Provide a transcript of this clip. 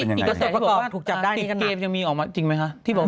อีกเกษตรที่บอกว่าติดเกมยังมีออกมาจริงไหมคะ